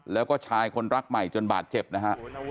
แล้วก็ชายคนรักใหม่จนบาดเจ็บนะฮะ